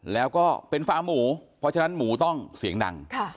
แล้วก็เป็นฟาร์หมูเพราะฉะนั้นหมูต้องเสียงดัง